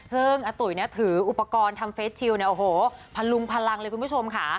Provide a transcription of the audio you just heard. ซึ่งอาตุ๋ยเนี่ยถืออุปกรณ์ทำเฟสชิลเนี่ยโอ้โหพลุงพลังเลยคุณผู้ชมค่ะ